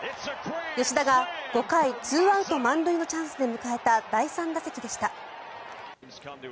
吉田が５回２アウト満塁のチャンスで迎えた第３打席でした。